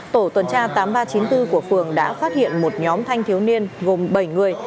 tổ tuần tra tám nghìn ba trăm chín mươi bốn của phường đã phát hiện một nhóm thanh thiếu niên gồm bảy người